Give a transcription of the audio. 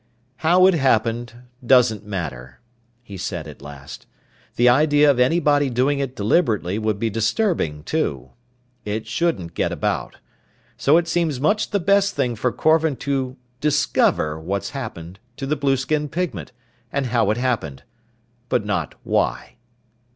"How it happened doesn't matter," he said at last. "The idea of anybody doing it deliberately would be disturbing, too. It shouldn't get about. So it seems much the best thing for Korvan to discover what's happened to the blueskin pigment, and how it happened. But not why."